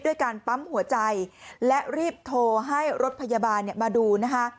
ด้วยการปั๊มหัวใจและรีบโทรให้รถพยาบาลมาดูนะคะ